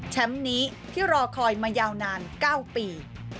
นี้ที่รอคอยมายาวนาน๙ปี